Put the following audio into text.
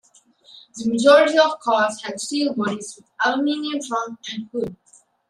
The majority of the cars had steel bodies, with aluminum trunk and hood.